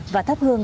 và thắp hương